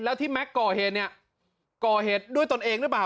แล้วที่แก๊กก่อเหตุเนี่ยก่อเหตุด้วยตนเองหรือเปล่า